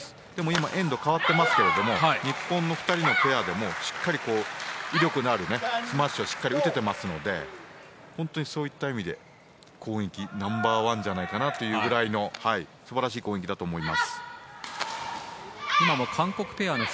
今、エンド変わっていますが日本の２人のペアでも威力あるスマッシュを打てていますのでそういった意味で攻撃ナンバーワンじゃないかというぐらいの素晴らしい攻撃だと思います。